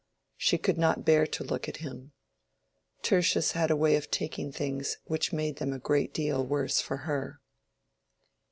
She could not bear to look at him. Tertius had a way of taking things which made them a great deal worse for her.